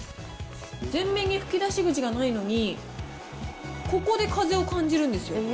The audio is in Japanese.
前面に吹き出し口がないのに、ここで風を感じるんですよ。